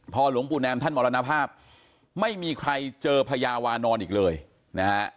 พอหลวงปู่แนมท่านมรณภาพไม่มีใครเจอพญาวานอนอีกเลยนะฮะ